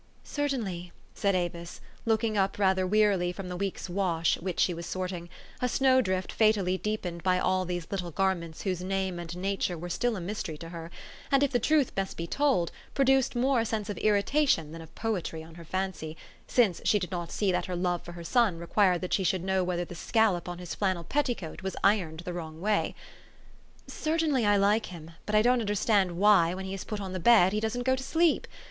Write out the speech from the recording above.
u Certainly," said Avis, looking up rather wearily from the week's wash which she was sorting, a snowdrift fatally deepened by all these little gar ments whose name and nature were still a mystery to her, and, if the truth must be told, produced more a sense of irritation than of poetry on her fancy, since she did not see that her love for her son required that she should know whether the scallop on his flannel petticoat was ironed the wrong way, " cer tainly I like him ; but I don't understand why, when he is put on the bed, he doesn't go to sleep.